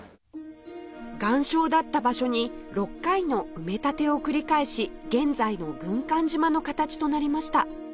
岩礁だった場所に６回の埋め立てを繰り返し現在の軍艦島の形となりました